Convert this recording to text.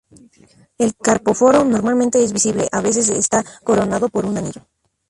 El carpóforo normalmente es visible, a veces está coronado por un anillo.